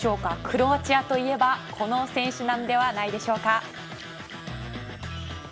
クロアチアといえばこの選手なんではないでしょうか。